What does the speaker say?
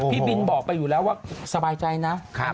พี่บินบอกไปอยู่แล้วว่าสบายใจนะ